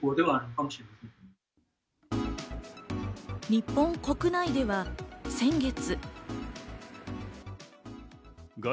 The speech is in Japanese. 日本国内では先月。